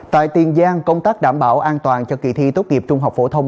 tại tiền giang công tác đảm bảo an toàn cho kỳ thi tốt nghiệp trung học phổ thông